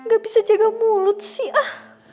gak bisa jaga mulut sih ah